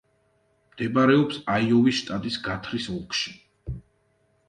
მდებარეობს აიოვის შტატის გათრის ოლქში.